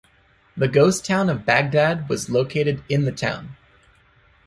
The ghost town of Bagdad was located in the town.